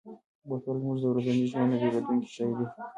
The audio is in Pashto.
بوتل زموږ د ورځني ژوند نه بېلېدونکی شی دی.